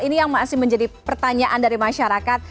ini yang masih menjadi pertanyaan dari masyarakat